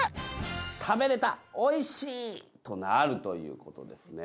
食べれたおいしい！となるという事ですね。